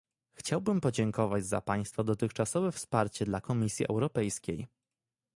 Chciałbym podziękować za państwa dotychczasowe wsparcie dla Komisji Europejskiej